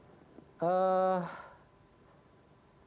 berdasarkan penggunaan kpk